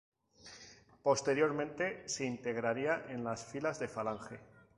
Posteriormente se integraría en las filas de Falange.